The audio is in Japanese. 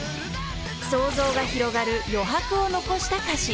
［想像が広がる余白を残した歌詞］